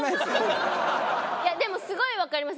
でもすごいわかります。